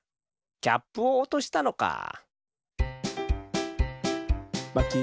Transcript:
キャップをおとしたのか。